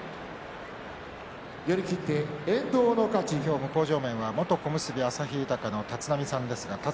向正面は元小結旭豊の立浪さんです。